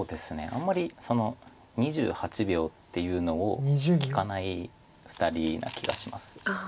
あんまり「２８秒」っていうのを聞かない２人な気がします。